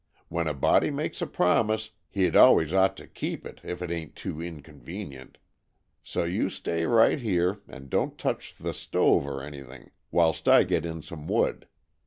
When a body makes a promise, he'd always ought to keep it, if it ain't too inconvenient. So you stay right here and don't touch the stove or anything, whilst I get in some wood.